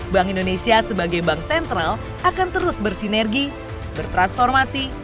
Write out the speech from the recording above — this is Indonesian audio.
bank indonesia sebagai bank sentral akan terus bersinergi bertransformasi